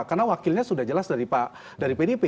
karena makinnya sudah jelas dari pak dari pdip